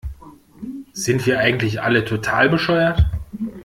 Sind wir eigentlich alle total bescheuert?